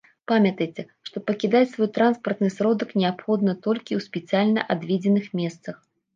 Памятайце, што пакідаць свой транспартны сродак неабходна толькі ў спецыяльна адведзеных месцах.